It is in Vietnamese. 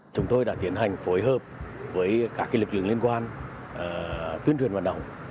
chúng tôi đã tiến hành phối hợp với các lực lượng liên quan tuyên truyền vận động